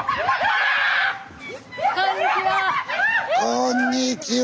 こんにちは。